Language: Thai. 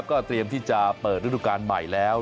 ก็เตรียมที่จะเปิดฤดูการใหม่แล้ว